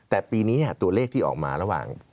แต่ปีนี้ตัวเลขที่ออกมาระหว่าง